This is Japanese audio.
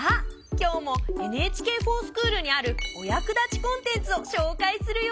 今日も「ＮＨＫｆｏｒＳｃｈｏｏｌ」にあるお役立ちコンテンツを紹介するよ！